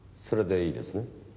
それでいいですね？